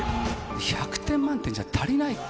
１００点満点じゃ足りない。